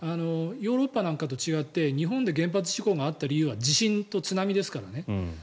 ヨーロッパなんかと違って日本で原発事故があった理由は地震と津波ですからね。